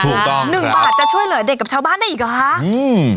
หนึ่งบาทจะช่วยเหลือเด็กกับชาวบ้านได้อีกเหรอคะอืม